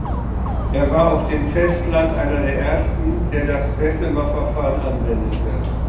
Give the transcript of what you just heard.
Er war auf dem Festland einer der Ersten, der das Bessemer-Verfahren anwendete.